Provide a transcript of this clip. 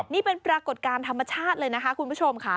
นี่เป็นปรากฏการณ์ธรรมชาติเลยนะคะคุณผู้ชมค่ะ